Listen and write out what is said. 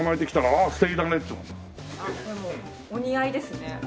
あっでもお似合いですね。